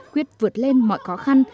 quyết vượt lên mọi khó khăn